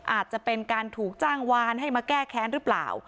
อาจจะเป็นการถูกจ้างวานให้มาแก้แค้นหรือเปล่า